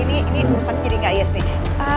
ini urusan kiri nggak yes nih